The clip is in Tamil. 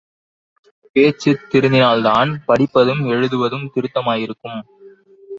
பேச்சு திருந்தினால்தான், படிப்பதும் எழுதுவதும் திருத்தமாயிருக்கும்.